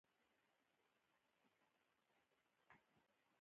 سړې اوبه، ګرمه ډودۍ او د ویالې غاړه وای.